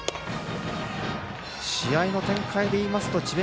試合の展開でいいますと智弁